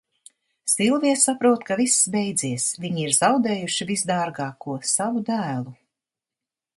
Silvija saprot, ka viss beidzies, viņi ir zaudējuši visdārgāko, savu dēlu.